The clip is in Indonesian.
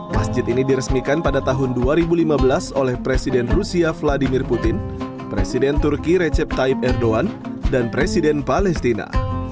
masjid ini diresmikan pada tahun dua ribu lima belas oleh presiden rusia vladimir putin presiden turki recep tayip erdogan dan presiden palestina